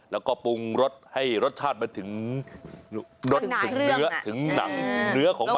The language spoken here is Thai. แล้วก็ปรุงรสให้รสชาติมาถึงเนื้อของมัน